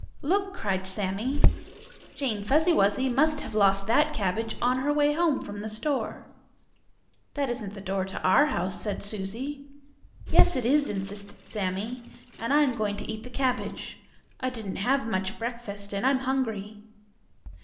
"Look!" cried Sammie. "Jane Fuzzy Wuzzy must have lost that cabbage on her way home from the store!" "That isn't the door to our house," said Susie. "Yes it is," insisted Sammie, "and I am going to eat the cabbage. I didn't have much breakfast, and I'm hungry."